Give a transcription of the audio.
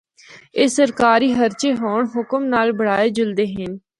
اے سرکاری خرچے ہور حکم نال بنڑائے جلدے ہن۔